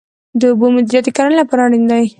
د اوبو مدیریت د کرنې لپاره اړین دی